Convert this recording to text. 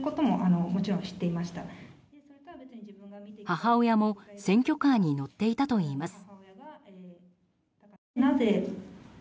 母親も選挙カーに乗っていたといいます。